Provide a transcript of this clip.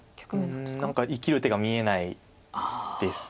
何か生きる手が見えないです。